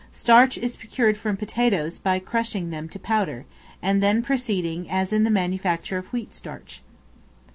Starch is procured from potatoes by crushing them to powder, and then proceeding as in the manufacture of wheat starch.